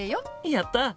やった！